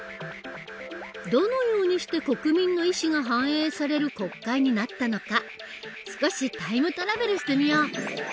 どのようにして国民の意思が反映される国会になったのか少しタイムトラベルしてみよう！